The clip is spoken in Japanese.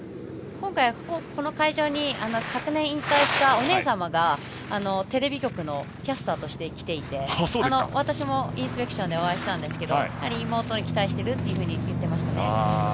今回、この会場に昨年引退したお姉様がテレビ局のキャスターとしてきていて私もインスペクションでお会いしたんですが妹に期待していると言っていましたね。